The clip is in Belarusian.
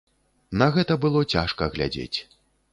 На гэта было цяжка глядзець.